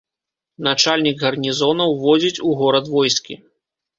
Начальнік гарнізона ўводзіць у горад войскі.